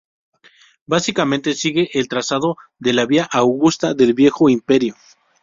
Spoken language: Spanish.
Básicamente sigue el trazado de la Vía Augusta del viejo imperio.